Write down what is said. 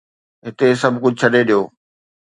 هتي سڀ ڪجهه ڇڏي ڏيو